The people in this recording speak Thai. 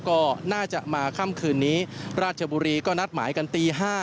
ก็น่าจะมาค่ำคืนนี้ราชบุรีก็นัดหมายกันตี๕